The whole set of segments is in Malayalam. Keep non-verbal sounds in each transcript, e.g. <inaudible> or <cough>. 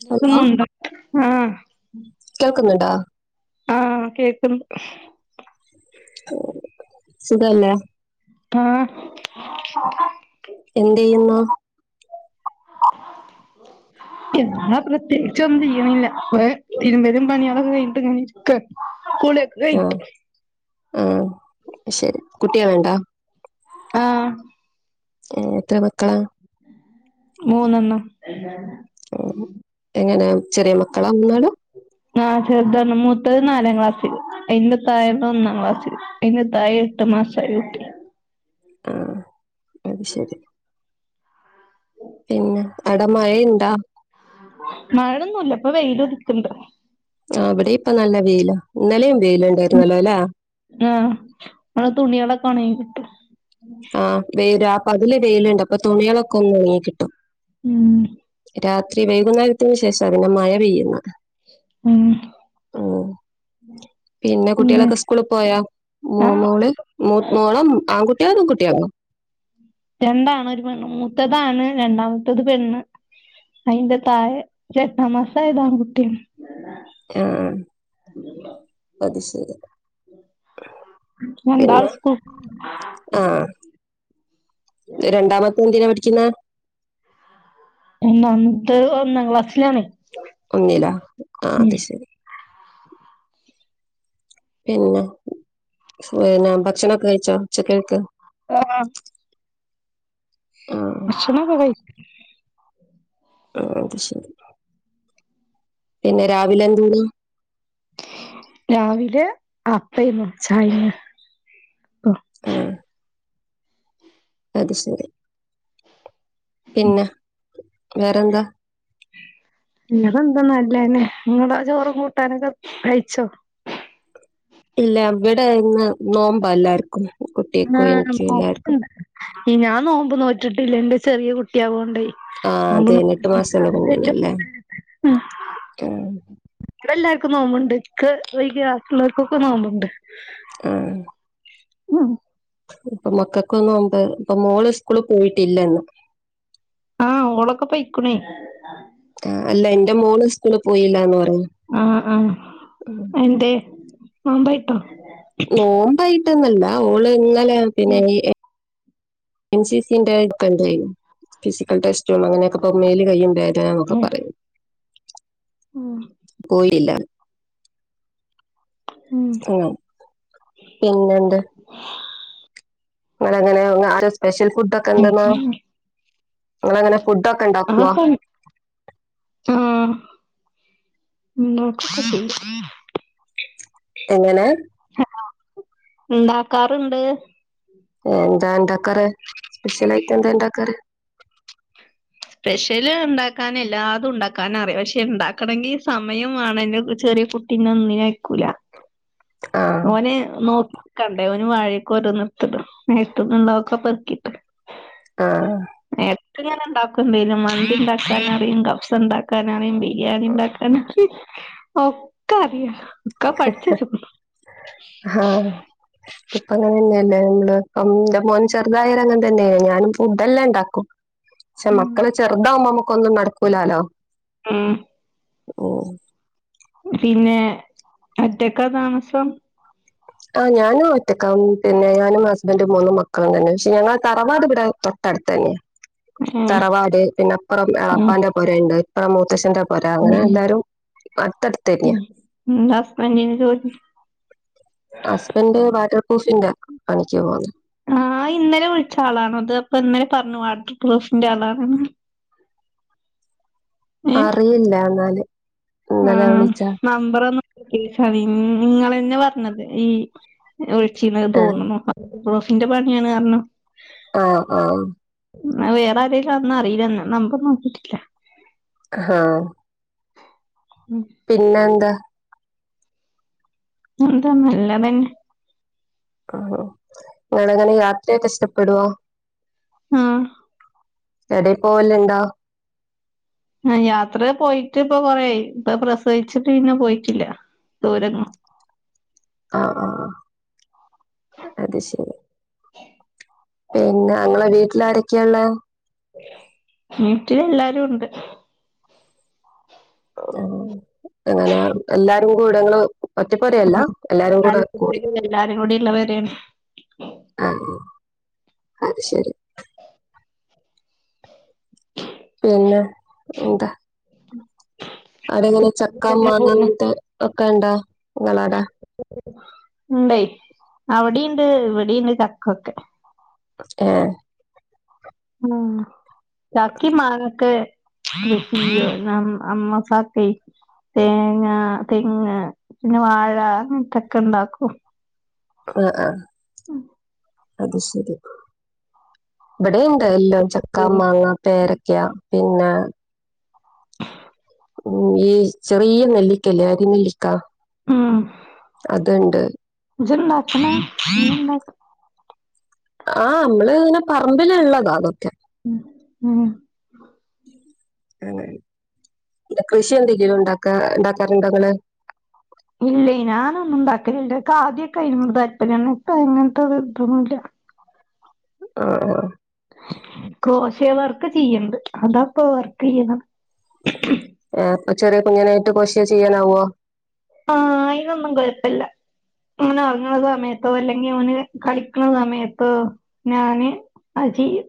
<unintelligible> ഹലോ മുണ്ടും ആഹ് കേൾക്ക്ന്ന് ണ്ടോ? ആഹ് കേക്ക്ന്ന് സുഖല്ലേ? ആഹ് എന്തെയ്യുന്നു? എന്നാ പ്രത്യേകിച്ചൊന്നും ചെയ്യ്ണില്ല. വേം തിര്മ്പലും പണ്യാളൊക്കെ കയ്ഞ്ഞ്ട്ട്ങ്ങനെ ഇരിക്കാണ്. കുള്യൊ ആഹ് ആഹ് ശരി, കുട്ടികള്ണ്ടോ? ആഹ് ഏ എത്ര മക്കളാ മൂന്നെണ്ണം എങ്ങനെ ചെറിയ മക്കളാ മൂന്നാളും ആഹ് ചെറ്താണ് മൂത്തത് നാലാം ക്ലാസ്സില് അയിന്റതായെ ഒന്നാം ക്ലാസ് അയിന്റതായെ എട്ട് മാസായ കുട്ടി ആഹ് അത് ശരി പിന്നെ അടെ മഴയിണ്ടാ മഴൊന്നുല്ല ഇപ്പൊ വെയില് ഉതിക്ക്‌ണ്ട് ആഹ് അവിടെ ഇപ്പ നല്ല വെയില ഇന്നലെയും വെയിലുണ്ടായിരുന്നല്ലല്ലേ ആഹ് മ്മളെ തുണികളൊക്കെ ഒണങ്ങികിട്ടും ആഹ് വെയിൽ രാപകല് വെയിലുണ്ട് അപ്പൊ തുണികളൊക്കെ ഒന്നൊണങ്ങി കിട്ടും ഉം രാത്രി വൈകുന്നേരത്തിന് ശേഷാ പിന്ന മഴ പെയ്യുന്ന ഉം ആഹ് പിന്നെ കുട്ടികളൊക്കെ സ്‌ കൂളി പോയാ മൂ ആഹ് മോള് മൂ മോളോ ആൺകുട്ടിയാ പെൺകുട്ടിയാ രണ്ടാണ് ഒരു പെണ്ണ് മൂത്തതാണ് രണ്ടാമത്തത് പെണ്ണ് അയിന്റെ തായെ എട്ടാം മാസായതാണ് ആൺകുട്ടി ആഹ് അത് ശരി രണ്ടാള് സ്കൂ ആഹ് രണ്ടാമത്തെ എന്തിനാ പഠിക്കുന്നെ ഒന്നാമത്തെ ഒന്നാം ക്ലാസ്സിലാണെ ഒന്നില ആഹ് അത് ശരി പിന്നെ പിന്നെ ഭക്ഷണൊക്കെ കഴിച്ചോ ഉച്ചക്കേക്ക് ആഹ് ആ ഭക്ഷണൊക്കെ കഴി ആഹ് അത് ശരി പിന്നെ രാവിലെ എന്തേ നി രാവിലെ അപ്പയും ചായ ഹെ അത് ശരി പിന്നെ വേറെന്താ <unintelligible> നല്ലേനെ നിങ്ങളെ ചോറും കൂട്ടാനൊക്കെ കഴിച്ചോ ഇല്ല ഇവിടെ ഇന്ന് നോമ്പ എല്ലാർക്കും കുട്ട്യാക്കും എനിക്കും എല്ലാർക്കും ഞാ നോമ്പ് നോറ്റിട്ടില്ല ന്റെ ചെറിയ കുട്ടിയവോണ്ടേ. ആ അ അതെ എട്ട് മാസമുള്ള കുഞ്ഞാണല്ലേ ആ, <unintelligible> ഇവിടെ ല്ലാവർക്കും നോമ്ബ്ണ്ട് ഇക്കൊയ്‌ക്ക വാക്കിലോർക്കൊക്കെ നോമ്പ്ണ്ട്. ആഹ് <unintelligible> ഇപ്പൊ മക്കക്കും നോമ്പ് ഇപ്പ മോള് സ്കൂള് പോയിട്ടില്ലെന്ന്. ആഹ് ഓളക്ക പ്പയ്ക്ക്ണ. ആഹ് അല്ല ന്റെ മോള് സ്കൂള് പോയില്ലന്ന് പറ ആഹ് ആഹ് എന്തേ നോമ്പായിട്ടോ? നോമ്പായിട്ടനോല്ല ഓള് ഇന്നലെ പിന്നെ എൻ സി സി ന്റെ <unintelligible> ണ്ടായിനു ഫിസിക്കൽ ടെസ്റ്റ അങ്ങനെയൊക്കെ പ്പം മെല് കൈയും വേതന നൊക്കെ പറയും. ഉം പോയില്ല ഉം ഉം പിന്നെന്ത് ങ്ങനെ അങ്ങനെ ആ സ്പെഷ്യൽ ഫുഡ് ഒക്കെ എന്തെന്നോ ഉം ങ്ങലങ്ങനെ ഫുഡ ഒക്കെ ണ്ടാക്കുവ. ആഹ ഉ <inaudible> എങ്ങനെ ണ്ടാക്കാറണ്ട്. എന്താ ണ്ടാക്കാറ് സ്പെഷ്യലായിട്ട് എന്താ ണ്ടാക്കാറ്? സ്പെഷ്യല് ണ്ടാക്കാന എല്ലാതും ണ്ടാക്കാനറിയാം പക്ഷെ ണ്ടാക്കണങ്കി സമയം വേണം നു ചെറിയ കുട്ട പിന്നെ ഒന്നിനക്കൂല ആ ഓനെ നോക്കി കണ്ടേ ന് വായൊക്കെ ഒരനിർത്ടും നെലത്ട്ടന്നുള്ളൊക്കെ പെറുക്കിട്ട് ആഹ എക്ക ഇങ്ങനെ ഉണ്ടാക്കണ്ടും മന്തി ണ്ടാക്കാൻറിയും കഫ്സ് ണ്ടാക്കാനറി ബിരിയാണിഇണ്ടക്ക ഓക്കറയ. ആഹ ഇപ്പ അങ്ങനെ തന്നെയല്ലേ ഇ എന്റെ മോൻ ചെറുതായര അങ്ങനെ തന്നെയല്ലേ ഞാനും ഫുഡ് എല്ലാം ണ്ടാക്കും. പക്ഷെ ഉം മക്കള് ചെറുതാാവുമ്പോ നമ്മക്കൊന്നും നടക്കൂലാലോ. ആഹ ഓ പിന്നെ ഒറ്റക്ക താമസം? ആ ഞാനും ഒറ്റക്ക പിന്നെ ഞാനും ഹസ്ബൻഡും മൂന്നും മക്കളും തന്നെ പക്ഷെ ഞങ്ങ തറവാട് ഇവിടെ തൊട്ടടുത്ത് തന്നെയ ഏഹ് തറവാട് പിന്നെപ്പറം ഉം എളപ്പാന്റെ മൂത്തച്ചൻംൻ പുര ഉം ഉം ന്താ ഹസ്ബൻഡിനു ജോലി? ഹസ്ബൻഡ് വാട്ടർ പ്ര്രൂഫിന്റെ പണിക്ക് പോകുന്നു. ആഹ ഇന്നലെ വിളിച്ച ആളാണോ ത് അപ്പ ഇന്നലെ പറഞ്ഞു വാട്ടർ പ്ര്രൂഫിന്റെ ആളാണെന്ന്. അറിയില്ലന്നാല്. ആ നമ്പറ ഒന്ന കോണ് നിങ്ങെന്നെ പറഞ്ഞത് ഈ വിളിച്ചിന്ന് ആ തോന്നുന്നു വട്ടർപ്രു ഫിന്റെ പണിയാണർഞ്ഞു. ആഹ ആഹ വേറെ ആരേങ്കിലും ന്നും അറില്ല നമ്പർ നോക്കിട്ടില്ല. ഹഹ ഉം പിന്നെന്താ. എന്താ നല്ലതന്നെ. ആ ഞൾ അങ്ങനെ യാത്രയൊക്കെ ഇഷ്ടപ്പെടുവോ? ഉം എടെയി പോവലുണ്ടോ ആഹ് യാത്ര പോയിട്ട് ഇപ്പ കൊറെയായി ഇപ്പൊ പ്രസവിച്ചിട്ട് പിന്നെ പോയിട്ടില്ല ദൂരെങ്ങും ആഹ് അത് ശരി പിന്നെ ഞങ്ങളെ വീട്ടിലാരെക്കെയായുള്ളേ വീട്ടില് എല്ലാരും ഉണ്ട് അങ്ങനെ എല്ലാരും കൂടെങ്ങള് ഒറ്റപ്പുരയല്ല എല്ലാരും നാല് കൂടെ കൂടി കുട്ടികള് എല്ലാരും കൂടി ഉള്ളവരെയാണ് ആഹ് അത് ശരി പിന്നെ എന്താ അവിടെ ഇങ്ങനെ ചക്ക മാങ്ങ ഇങ്ങനത്തൊക്കെ ഇണ്ടാ ഇങ്ങളെ ഇണ്ടെ അവിടെയുണ്ട് ഇവിടെയുണ്ട് ചക്കയൊക്കെ ഏഹ് ഉം ചക്കയും മാങ്ങക്കെ <unintelligible> അമ്മ പാക്കെ തേങ്ങ തെങ്ങ് പിന്നെ വാഴ അങ്ങനത്തൊക്കെ ഉണ്ടാക്കും ആഹ് ആഹ് അത് ശരി ഇബടിണ്ട് എല്ലാം ചക്കാ മാങ്ങ പേരക്ക പിന്നെ ഉം ഈ ചെറിയ നെല്ലിക്കല്ലേ അരി നെല്ലിക്ക അതുണ്ട് ജ്ണ്ടാക്കണെ ഈയ്യ് ഇണ്ടാ ആഹ് നമ്മള് ഇങ്ങനെ പറമ്പിലുള്ളതാ അതൊക്കെ ഉം ഉം ആനേ കൃഷി എന്തെങ്കിലും ഉണ്ടാക്കാ ഉണ്ടാക്കാറുണ്ടോ ഇങ്ങള് ഇല്ലയ് ഞാനൊന്നും ഉണ്ടാക്കലില്ല, ഇനിക്ക് ആദ്യക്കെയായിരുന്നു താല്പര്യം ഇപ്പോ അങ്ങനത്തെ ഇത് ഇതൊന്നുമില്ല ആഹ് ക്രോഷേ വർക്ക് ചെയ്യണ്ട് അതാപ്പോ വർക്ക് ചെയ്യണം ഏഹ് ചെറിയ കുഞ്ഞനായിട്ട് ക്രോഷേ ചെയ്യാനാവോ ആഹ് അയിനൊന്നും കുഴപ്പല്ല ഇങ്ങനെ ഉറങ്ങണ സമയത്തോ അല്ലെങ്കിൽ ഓന് കളിക്കണ സമയത്തോ ഞാന് ആ ചെയ്യും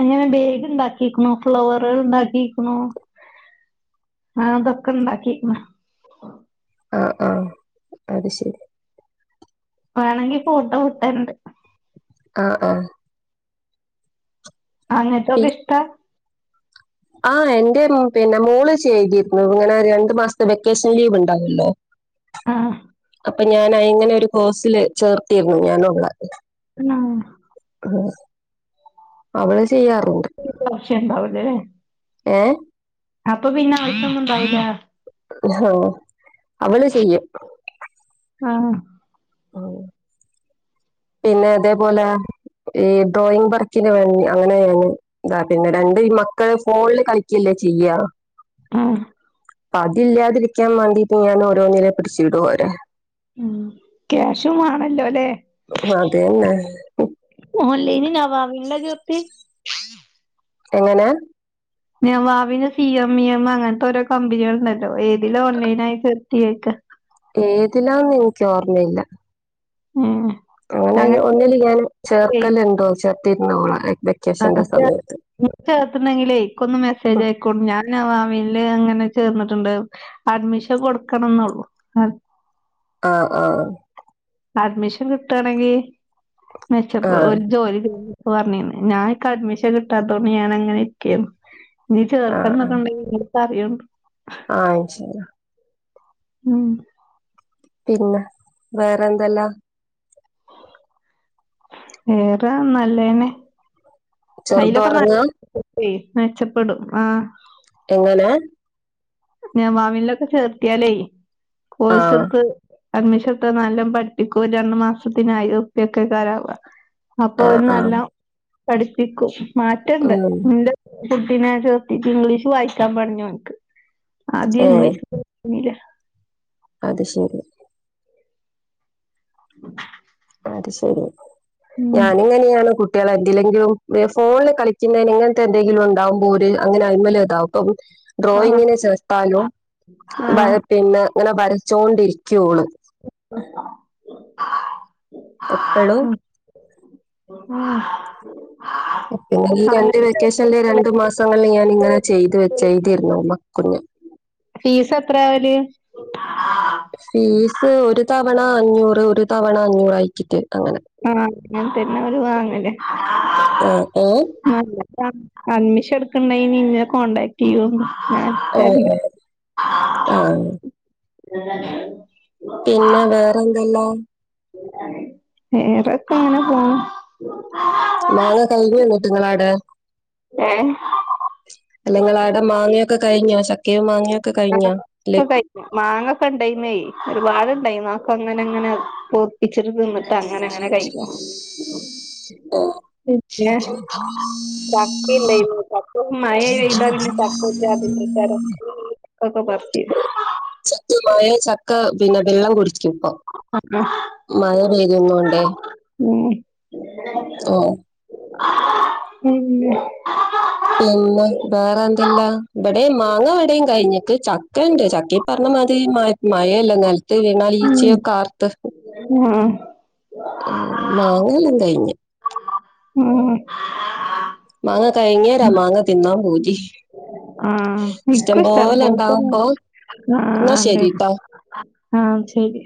അങ്ങനെ ബാഗ് ഉണ്ടാക്കിരിക്കുണു ഫ്ലവറേൾ ഉണ്ടാക്കിക്കുണു ആഹ് അതൊക്കെ ഉണ്ടാക്കിക്കുണു ആഹ് ആഹ് അത് ശരി വേണങ്കി ഫോട്ടോ വിട്ടരുണ്ട് ആഹ് ആഹ് അങ്ങനത്തൊക്കെ ഇഷ്ടാ ആഹ് എന്റെ പിന്നെ മോള് ചെയ്തെക്കും, ഇങ്ങനെ രണ്ടു മാസത്തെ വെക്കേഷൻ ലീവ് ഉണ്ടാവില്ലേ ആഹ് അപ്പൊ ഞാൻ ഇങ്ങനെ ഒരു കോഴ്സില് ചേർത്തിരുന്നു ഞാനുവളെ ഉം ആഹ് അവള് ചെയ്യാറുണ്ട് ആവിശ്യം ഉണ്ടാവിലല്ലേ ഏഹ് അപ്പൊ പിന്നെ ആവിശ്യം ഉണ്ടാവില്ല ഹാ അവള് ചെയ്യും ആഹ് ആഹ് പിന്നെ ഇതേപോലെ ഈ ഡ്രോയിങ് വർക്കിന് വേണ്ടി അങ്ങനെയാണ് താ പിന്നെ രണ്ട് ഈ മക്കള് ഫോണില് കളിക്കല്ലേ ചെയ്യാ ആഹ് അപ്പൊ അതില്ലാതിരിക്കാൻ വേണ്ടിട്ട് ഞാന ഓരോന്നിനെ പിടിച്ചു ഇടൂ വോരെ ഉം ക്യാഷും വാണല്ലോ ലെ അതന്നെ ഓൺലൈനിൽ നവാവിനിലാ ചേർത്തെ? എങ്ങനെ? നവാവിന് സി എം ഇ എം അങ്ങനത്തെ ഓരോ കമ്പനികൾ ഉണ്ടല്ലോ ഏതില ഓൺലൈൻ ആയി ചേർത്തി ചോയ്ക്ക ഏതിലാന്ന് എനിക്ക് ഓർമ്മയില്ല ഉം അങ്ങനെ ഒന്നില് ഞാൻ ചേർക്കല്ലുണ്ടോ ചേർത്തിരുന്നോള ആ ഇനി ചേർതണ്ടെങ്കിലേ ക്കൊന്നു മെസ്സേജ് ഉം. അയക്കൊണ്ട് ഞാൻ നവാവിനിൽ അങ്ങനെ ചേർന്നിട്ടുണ്ട് അഡ്മിഷൻ കൊടുക്കണം ന്നള്ളു ആഹ് ആഹ് അഡ്മിഷൻ കിട്ടുകയാണെങ്കി ആ മെച്ചപ്പോ ഒരു ജോലി ചെയ പറഞ്ഞിന്ന് ഞാൻക്ക അഡ്മിഷൻ കിട്ടാത്തതോണ്ട് ഞാൻ അങ്ങനെ നിക്കെര്ന്നു ഇനി ആ ചേർക്കണന്നൊക്കെണ്ട് എന്നോട് പറയേണ്ടി ആഹ് ഇൻശാഅല്ലാഹ് ഉം പിന്നെ വേറെന്തെല്ലാ വേറെ നല്ലേന്നെ അയ്ലൊക്കെ നല്ല ചെറുതുറങ്ങാ <unintelligible> മെച്ചപ്പെടും എങ്ങനേ? നവാവിൻലൊക്കെ ചേർത്തിയാലേ ആ കോഴ്സ്ട്ത് അഡ്മിഷൻഎടുത്ത നല്ലം പഠിപ്പിക്കുവ രണ്ട്മാസത്തിനായിരം ഉർപ്യാ ഒക്കെയ്ക്കാരം ആവാ അപ്പൊ ആ ഓര് ആ നല്ലം പഠിപ്പിക്കും മാറ്റണ്ട് ഉം ന്റെ കുട്ടിനെ ചേർത്തിറ്റ് ഇംഗ്ലീഷ് വായിക്കാൻ പറഞ്ഞു ആദ്യം ഏ ഇംഗ്ലഷ് <inaudible> അത് ശരി അത് ശെരി ഉം ഞാനിങ്ങനെയാണ് കു ട്ട്യാളെ എന്തിലെങ്കിലും ഫോണില് കളിക്കുന്നതിന് ഇങ്ങനത്തെ എന്തെങ്കിലും ഉണ്ടാവുമ്പോ ഓര് അങ്ങനെ അതിന്മേ താവും ആഹ് ഡ്രോയിങ്ങിന് ചേർത്താലും ആഹ് പിന്നെ ങ്ങനെ വരച്ചോണ്ടിരിക്കും ഓള് ഉ ഉ ഉം പിന്നെ ഈ രണ്ട് വെക്കേഷനിലെ രണ്ടു മാസങ്ങളില് ഞാൻ ഇങ്ങനെ ചെയ്തു വെച്ചഴ്തിരുന്നു മക്ക കുഞ്ഞ് ഫീസത്രേ ആവല്? ഫീസ് ഒരു തവണ അഞ്ഞൂറ് ഒരു തവണ അഞ്ഞൂറായിക്കിട്ട് അങ്ങനെ ആഹ് അങ്ങൻതന്നെ അവര് വാങ്ങല് ആ ഏ <unintelligible> അഡ്മിഷൻ എടുക്കണ്ടെങ്ങി ന്നെ കോണ്ടടാക്ട് ചെയ്യോണ്ടു ഞാൻ ആ ഇട്ത്തരന്റ് ആ ആ പിന്നെ വേറെ എന്തല്ലാ? വേറൊക്കെ ഇങ്ങനെ പോണ് ഉ മാങ്ങ കഴിഞ്ഞോ ന്ന്ട്ട് ങ്ങളാടെ ഏ അല്ലെങ്ങളാടെ മാങ്ങയൊക്കെ കഴിഞ്ഞോ? ചക്കയും മാങ്ങൊക്കെ <unintelligible> മാങ്ങൊക്കെണ്ടായിന്നേയ് ഒരുപാട്ണ്ടായിന്ന് അതൊക്കെങ്ങനെ ങ്ങനെ ങ്ങനെ പൗപ്പിച്ചിട്ട് തിന്ന്‌ ച്ചങ്ങനെങ്ങെനെ കഴിക്കും ച്ച്പ്പോ പിന്നെ ചക്കിണ്ടേയ്ന്നു ചക്ക മയയ്താ പിന്നെ ചക്ക ഒരു ചാതി അല്ലയ്ക്കാരം <unintelligible> ശക്തമായ ചക്ക പിന്നെ വെള്ളം കുടിച്ചു കിപ്പൊ മയ പെയ്യുന്നോണ്ടേ ഉം ഓഹ് പിന്നെ പിന്നെ ബേറെന്തല്ലാ ഇബിടെ മാങ്ങ ഇടയു ക യിഞ്ഞിട്ട് ചക്ക ഇണ്ട് ചക്ക ഈ പറഞ്ഞമാതിരി മയല്ലേ നെൽത്ത് വീണാല് ഉം ഈച്ചയൊക്കെ ആർത്ത് ആഹ് ആഹ് മാങ്ങയെല്ലാ കയിഞ്ഞ് ഉം മാങ്ങ കഴിഞ്ഞേരാ മാങ്ങ തിന്നാൻ പൂതി ആഹ് ഇഷ്ടം ഇക്കു ഇഷ്ടാണ് പോലെ പൊവ്ത്ത ഇണ്ടാവുമ്പോ ന്നാ ആഹ് ണ്ടേ ശരിട്ടോ. ആഹ് ശെരി